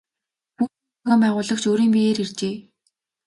Пүүсийн зохион байгуулагч өөрийн биеэр иржээ.